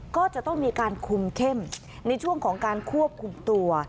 ก็จะต้องมีการคุมเข้มในช่วงของการควบคุมตัว